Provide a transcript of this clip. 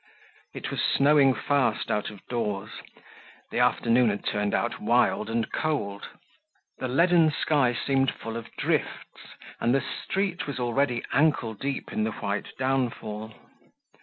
It was snowing fast out of doors; the afternoon had turned out wild and cold; the leaden sky seemed full of drifts, and the street was already ankle deep in the white downfall.